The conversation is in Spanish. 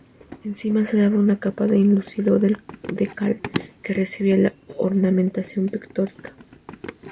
Encima se daba una capa de enlucido de cal que recibía la ornamentación pictórica.